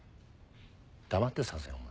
黙って指せお前。